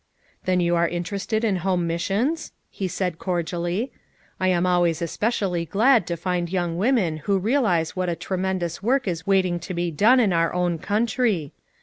"Then you are interested in home mis sions?" he said cordially. "I am always especially glad to find young women who real ize what a tremendous work is waiting to be done in our own country.